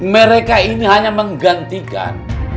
mereka ini hanya menggantikan